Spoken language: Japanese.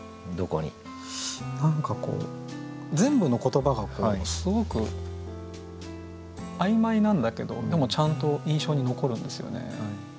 何かこう全部の言葉がすごく曖昧なんだけどでもちゃんと印象に残るんですよね。